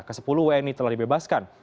ke sepuluh wni telah dibebaskan